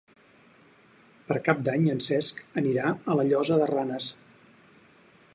Per Cap d'Any en Cesc anirà a la Llosa de Ranes.